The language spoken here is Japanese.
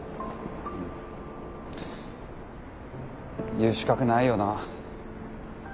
言う資格ないよな。